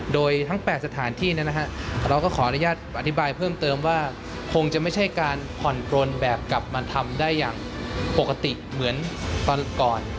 โดยทั้ง๘สถานที่เราก็ขออนุญาตอธิบายเพิ่มเติมว่าคงจะไม่ใช่การผ่อนปลนแบบกลับมาทำได้อย่างปกติเหมือนตอนก่อน